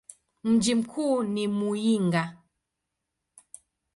Mji mkuu ni Muyinga.